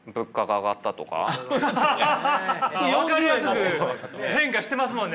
分かりやすく変化してますもんね！